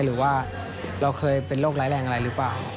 หรือว่าเราเคยเป็นโรคร้ายแรงอะไรหรือเปล่า